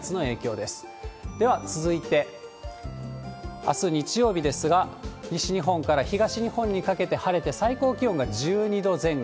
では続いて、あす日曜日ですが、西日本から東日本にかけて晴れて最高気温が１２度前後。